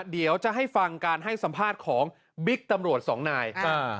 เดี๋ยวจะให้ฟังการให้สัมภาษณ์ของบิ๊กตำรวจสองนาย